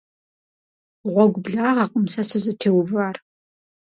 Гъуэгу благъэкъым сэ сызытеувар.